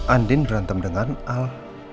andiin berantem dengan al